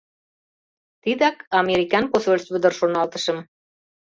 Тидак американ посольство дыр, шоналтышым.